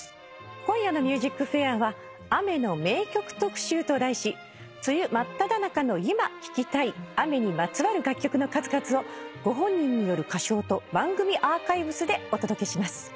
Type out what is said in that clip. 今夜の『ＭＵＳＩＣＦＡＩＲ』は雨の名曲特集と題し梅雨真っただ中の今聴きたい雨にまつわる楽曲の数々をご本人による歌唱と番組アーカイブスでお届けします。